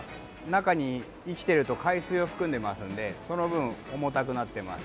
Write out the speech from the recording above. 中に、生きていると海水を含んでますのでその分、重たくなってます。